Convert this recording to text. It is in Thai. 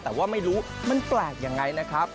แต่ว่าไม่รู้มันแปลกยังไงนะครับ